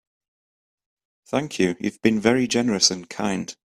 Thank you, you've been very generous and kind!